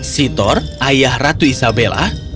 sitor ayah ratu isabella